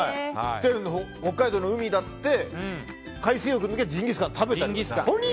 北海道の海だって海水浴に行ってジンギスカン食べたり。